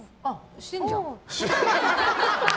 してるじゃん。